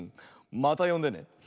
またよんでね。